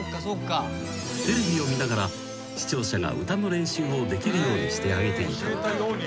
［テレビを見ながら視聴者が歌の練習をできるようにしてあげていたのだ］